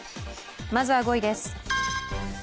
まずは５位です。